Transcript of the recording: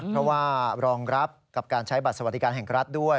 เพราะว่ารองรับกับการใช้บัตรสวัสดิการแห่งรัฐด้วย